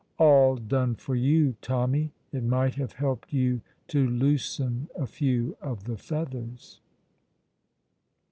All done for you, Tommy! It might have helped you to loosen a few of the feathers.